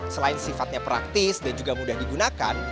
selain sifatnya praktis dan juga mudah digunakan